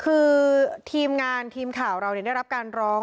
คือทีมงานทีมข่าวเราได้รับการร้อง